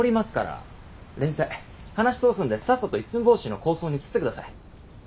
連載話通すんでさっさと「一寸法師」の構想に移ってください。